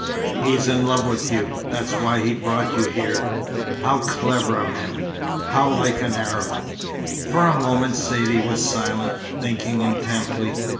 He's in love with you. That's why he brought you here. How clever of him! How like an Arab!" For a moment Saidee was silent, thinking intently.